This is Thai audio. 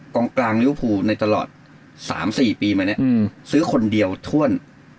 กลางริวภูในตลอด๓๔ปีมาเนี่ยซื้อคนเดียวถ้วน